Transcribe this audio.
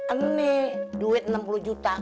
ini duit enam puluh juta